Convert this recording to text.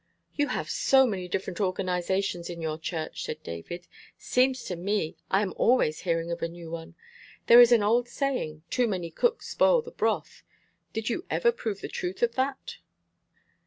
"You have so many different organizations in your Church," said David. "Seems to me I am always hearing of a new one. There is an old saying, 'Too many cooks spoil the broth.' Did you never prove the truth of that?"